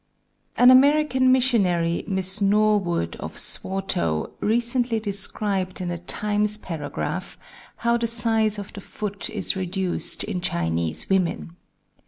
] An American missionary, Miss Norwood, of Swatow, recently described in a Times paragraph how the size of the foot is reduced in Chinese women.